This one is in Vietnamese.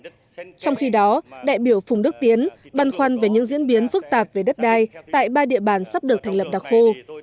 trong khi đó đại biểu phùng đức tiến băn khoăn về những diễn biến phức tạp về đất đai tại ba địa bàn sắp được thành lập đặc khu